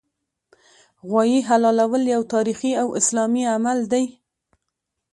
غوايي حلالول یو تاریخي او اسلامي عمل دی